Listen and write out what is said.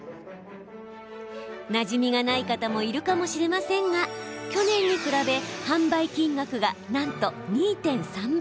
なじみがない方もいるかもしれませんが去年に比べ販売金額がなんと２．３倍。